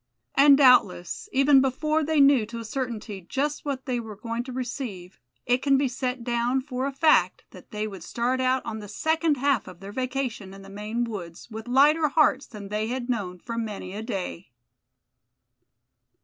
And doubtless, even before they knew to a certainty just what they were going to receive, it can be set down for a fact that they would start out on the second half of their vacation in the Maine woods with lighter hearts than they had known for many a day.